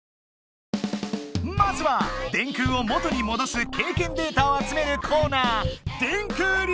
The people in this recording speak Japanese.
まずは電空を元にもどすけいけんデータをあつめるコーナー。